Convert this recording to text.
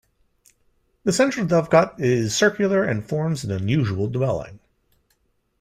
The central dovecote is circular and forms an unusual dwelling.